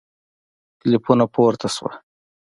کلیپونه پورته سوه